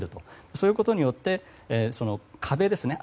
そういうことによって壁ですね。